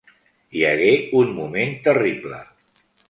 Hi hagué un moment terrible